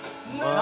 ）何？